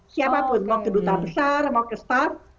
siapapun mau ke duta besar mau ke start